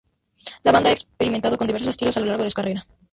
La banda, ha experimentado con diversos estilos a lo largo de su carrera.